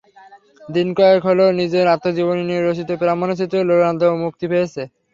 দিন কয়েক হলো নিজের আত্মজীবনী নিয়ে রচিত প্রামাণ্যচিত্র রোনালদো মুক্তি পেয়েছে।